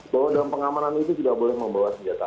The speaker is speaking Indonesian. kalau dalam pengamanan itu tidak boleh membawa senjata api